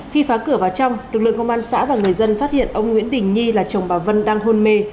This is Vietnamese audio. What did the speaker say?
khi phá cửa vào trong lực lượng công an xã và người dân phát hiện ông nguyễn đình nhi là chồng bà vân đang hôn mê